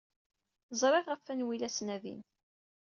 Ẓriɣ ɣef wanwa ay la ttnadin.